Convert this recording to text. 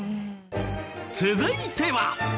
続いては。